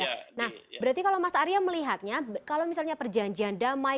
nah berarti kalau mas arya melihatnya kalau misalnya perjanjian damai